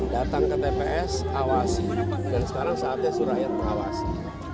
datang ke tps awasi dan sekarang saatnya suraya awasi